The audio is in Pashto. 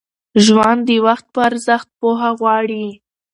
ژوند د وخت په ارزښت پوهه غواړي.